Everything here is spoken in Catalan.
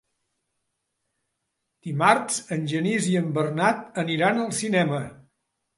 Dimarts en Genís i en Bernat aniran al cinema.